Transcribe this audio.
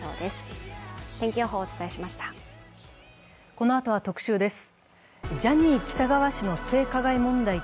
このあとは特集です。